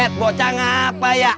eh bocah ngapaa ya